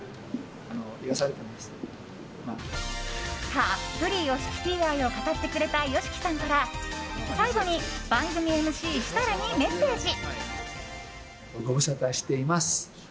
たっぷりｙｏｓｈｉｋｉｔｔｙ愛を語ってくれたＹＯＳＨＩＫＩさんから最後に番組ＭＣ設楽にメッセージ。